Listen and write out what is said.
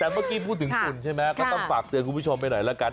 แต่เมื่อกี้พูดถึงฝุ่นใช่ไหมก็ต้องฝากเตือนคุณผู้ชมไปหน่อยละกัน